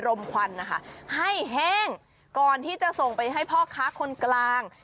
มควันนะคะให้แห้งก่อนที่จะส่งไปให้พ่อค้าคนกลาง